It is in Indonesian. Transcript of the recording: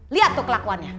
lihat tuh kelakuannya